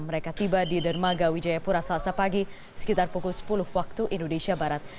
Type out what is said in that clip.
mereka tiba di dermaga wijayapura selasa pagi sekitar pukul sepuluh waktu indonesia barat